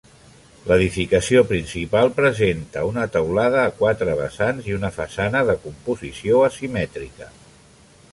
L'edificació principal presenta una teulada a quatre vessants i una façana de composició asimètrica.